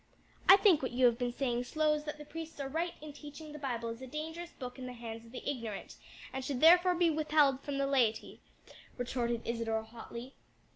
"I think what you have been saying shows that the priests are right in teaching that the Bible is a dangerous book in the hands of the ignorant, and should therefore be withheld from the laity," retorted Isadore hotly.